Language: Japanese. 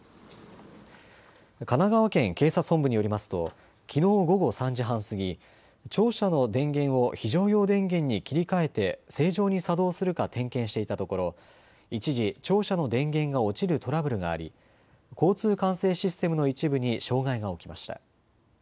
神奈川県警察本部によりますときのう午後３時半過ぎ、庁舎の電源を非常用電源に切り替えて正常に作動するか点検していたところ一時、庁舎の電源が落ちるトラブルがあり交通管制システムの一部に障害が起きました。